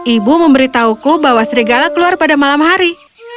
ibu memberitahuku bahwa serigala keluar pada malam hari